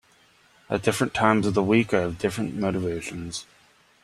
At different times of the week I have different motivations.